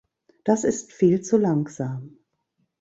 Das ist viel zu langsam.